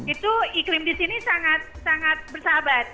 itu iklim disini sangat bersahabat